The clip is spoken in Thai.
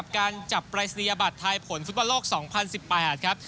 กับการจับปรัศนียบัตรไทยผลฟุตบันโลก๒๐๑๘ครับ